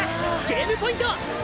ゲームポイント！